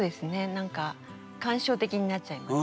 何か感傷的になっちゃいますよね。